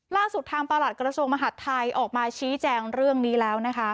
ล่าสุดทางประหลัดกระทรวงมหาดไทยออกมาชี้แจงเรื่องนี้แล้วนะคะ